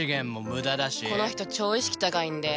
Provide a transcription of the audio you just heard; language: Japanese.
この人超意識高いんで。